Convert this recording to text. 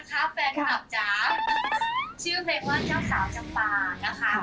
นะคะแฟนคำถามจากชื่อเพลงว่าเจ้าสาวจำป่านะคะ